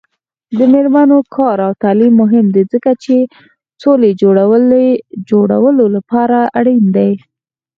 د میرمنو کار او تعلیم مهم دی ځکه چې سولې جوړولو لپاره اړین دی.